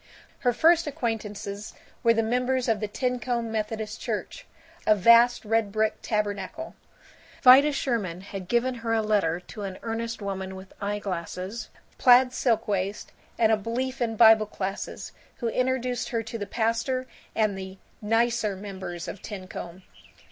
III Her first acquaintances were the members of the Tincomb Methodist Church, a vast red brick tabernacle. Vida Sherwin had given her a letter to an earnest woman with eye glasses, plaid silk waist, and a belief in Bible Classes, who introduced her to the Pastor and the Nicer Members of Tincomb.